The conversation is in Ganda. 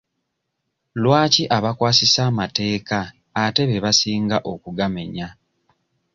Lwaki abakwasisa amateeka ate be basinga okugamenya?